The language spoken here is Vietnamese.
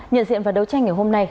nhận diện và đấu tranh ngày hôm nay